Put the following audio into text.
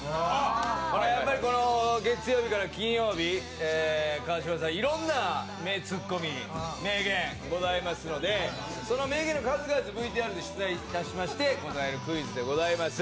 やっぱり月曜日から金曜日、川島さん、いろんな名ツッコミ、名言ございますので、その名言の数々をＶＴＲで出題いたしまして答えるクイズでございます。